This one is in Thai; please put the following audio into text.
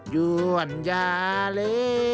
ย่วนอย่าเล่